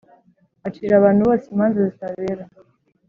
acira abantu bose imanza zitabera.